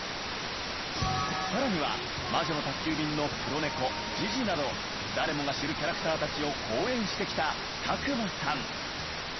更には『魔女の宅急便』の黒猫ジジなど誰もが知るキャラクターたちを好演してきた佐久間さん。